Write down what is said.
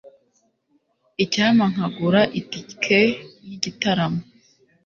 Icyampa nkagura itike yigitaramo.